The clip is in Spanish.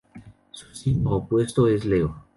Su signo opuesto es Leo.